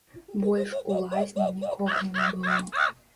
Больш у лазні нікога не было.